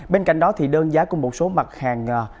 bên cạnh đó thì đơn giá của một số mặt hàng